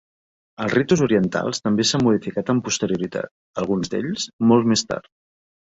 Els ritus orientals també s'han modificat amb posterioritat; alguns d'ells molt més tard.